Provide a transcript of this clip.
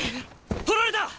取られた！